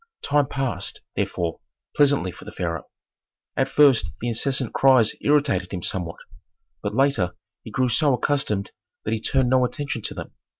Time passed, therefore, pleasantly for the pharaoh. At first the incessant cries irritated him somewhat, but later he grew so accustomed that he turned no attention to them.